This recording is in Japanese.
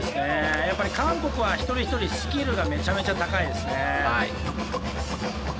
やっぱり韓国は一人一人スキルがめちゃめちゃ高いですね。